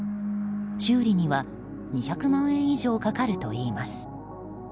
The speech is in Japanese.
修理には、２００万円以上かかるといいます。